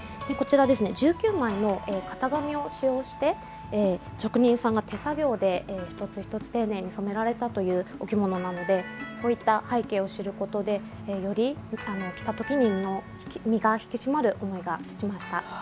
こちらですね１９枚の型紙を使用して職人さんが手作業で一つ一つ丁寧に染められたというお着物なのでそういった背景を知ることでより着たときに身が引き締まる思いがしました。